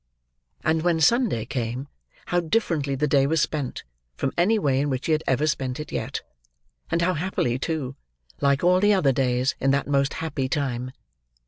And when Sunday came, how differently the day was spent, from any way in which he had ever spent it yet! and how happily too; like all the other days in that most happy time!